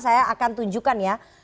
saya akan tunjukkan ya